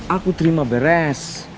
aku terima beres